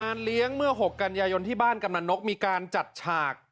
เลี้ยงเมื่อ๖กันยายนที่บ้านกำนันนกมีการจัดฉาก